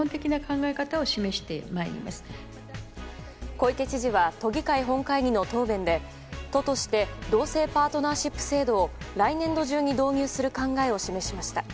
小池知事は都議会本会議の答弁で都として同性パートナーシップ制度を来年度中に導入する考えを示しました。